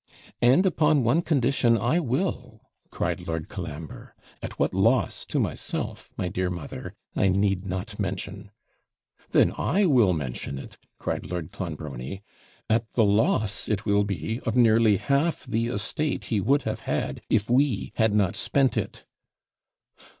'And upon one condition, I will,' cried Lord Colambre; 'at what loss to myself, my dear mother, I need not mention.' 'Then I will mention it,' cried Lord Clonbrony; 'at the loss it will be of nearly half the estate he would have had, if we had not spent it.'